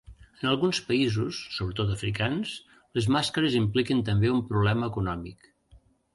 En alguns països, sobretot africans, les màscares impliquen també un problema econòmic.